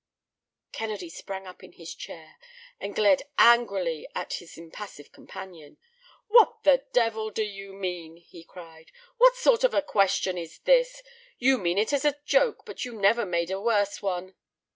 Kennedy sprang up in his chair and glared angrily at his impassive companion. "What the devil do you mean?" he cried. "What sort of a question is this? You may mean it as a joke, but you never made a worse one."